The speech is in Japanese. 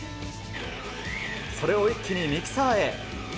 それを一気にミキサーへ。